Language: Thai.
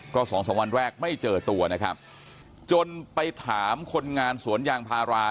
ก็สองสามวันแรกไม่เจอตัวนะครับจนไปถามคนงานสวนยางพารา